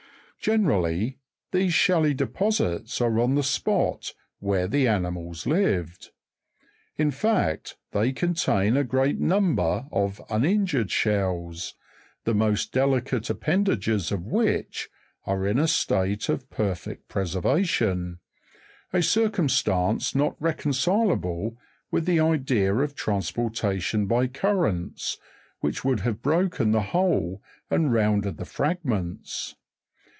Generally, these shelly deposits are on the spot where the animals lived. In fact, they contain a great number of uninjured shells, the most delicate appendages of which are in a state of perfect preservation ; a circumstance not reconcilable with the idea of transportation by currents, which would have broken the whole and rounded the fragments.